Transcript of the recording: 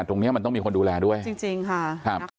ตรงนี้มันต้องมีคนดูแลด้วยจริงค่ะครับ